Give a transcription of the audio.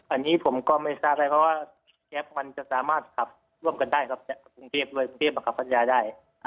อันนี้ผมก็ไม่ทราบไปเพราะว่าแกรคจะสามารถขับร่วมกันได้กับกรุงเทพโดยกรุงเทพธรรมแอฟได้